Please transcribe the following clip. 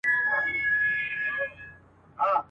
ما به لیده چي زولنې دي ماتولې اشنا.